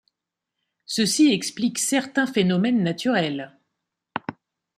Ceci explique certains phénomènes naturels.